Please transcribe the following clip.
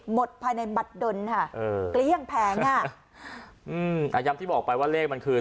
หมดภายในบัตรดนค่ะเออเกลี้ยงแผงอ่ะอืมอ่าย้ำที่บอกไปว่าเลขมันคือ